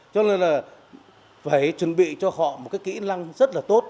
cho nên là phải chuẩn bị cho họ một cái kỹ năng rất là tốt